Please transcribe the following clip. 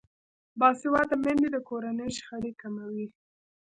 باسواده میندې د کورنۍ شخړې کموي.